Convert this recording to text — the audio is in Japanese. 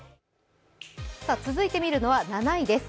続いてみるのは７位です。